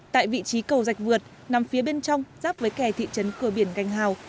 tại vị trí cầu dạch vượt nằm phía bên trong giáp với kẻ thị trấn cửa biển cành hào